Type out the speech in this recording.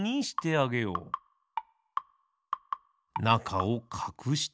なかをかくして。